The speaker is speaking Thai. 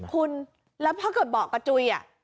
คุณแล้วถ้าเกิดเบาะกระจุย